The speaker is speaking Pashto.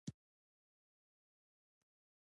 قومونه د افغانستان د جغرافیایي موقیعت یوه لویه پایله ده.